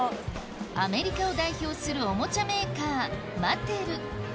アメリカを代表するおもちゃメーカー